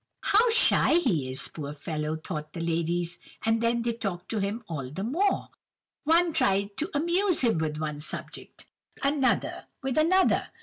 "'How shy he is, poor fellow!' thought the ladies, and then they talked to him all the more. One tried to amuse him with one subject, another with another.